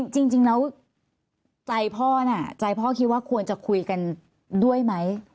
จริงแล้วใจพ่อคิดว่าควรจะคุยกันด้วยไหม